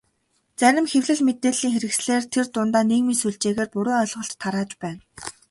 Зарим хэвлэл, мэдээллийн хэрэгслээр тэр дундаа нийгмийн сүлжээгээр буруу ойлголт тарааж байна.